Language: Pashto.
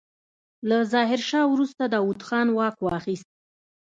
له ظاهرشاه وروسته داوود خان واک واخيست.